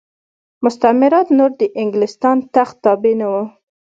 مستعمرات نور د انګلستان تخت تابع نه وو.